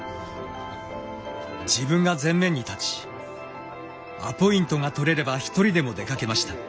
自分が前面に立ちアポイントが取れれば一人でも出かけました。